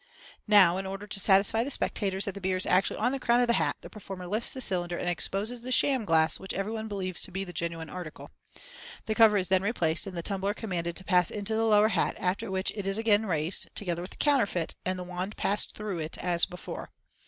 Now, in order to satisfy the spectators that the beer is actually on the crown of the hat, the performer lifts the cylinder and exposes the sham glass, which everyone believes to be the genuine article. The cover is then replaced and the tumbler commanded to pass into the lower hat, after which it is again raised, together with the counterfeit, and the wand passed through it as before.